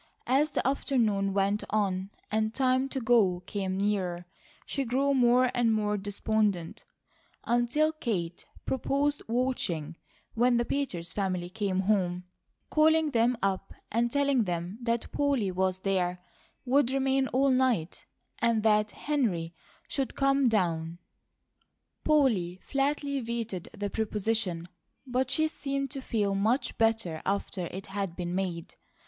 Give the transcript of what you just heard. As the afternoon went on and time to go came nearer, she grew more and more despondent, until Kate proposed watching when the Peters family came home, calling them up, and telling them that Polly was there, would remain all night, and that Henry should come down. Polly flatly vetoed the proposition, but she seemed to feel much better after it had been made.